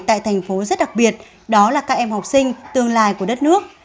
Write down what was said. tại thành phố rất đặc biệt đó là các em học sinh tương lai của đất nước